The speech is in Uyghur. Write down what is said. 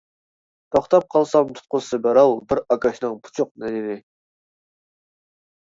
توختاپ قالسام تۇتقۇزسا بىراۋ، بىر ئاكاشنىڭ پۇچۇق نېنىنى.